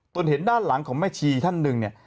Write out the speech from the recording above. ตนเห็นด้านหลังของแม่ชีท่านหนึ่งเนี่ย